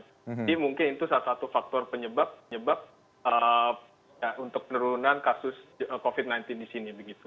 jadi mungkin itu salah satu faktor penyebab untuk penurunan kasus covid sembilan belas di sini